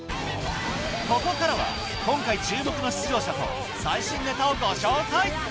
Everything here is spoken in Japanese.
ここからは今回注目の出場者と最新ネタをご紹介！